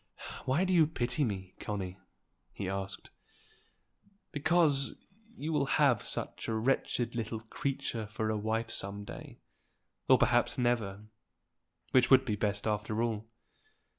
"Why do you pity me, Connie?" he asked. "Because you will have such a wretched little creature for a wife some day, or perhaps never, which would be best after all."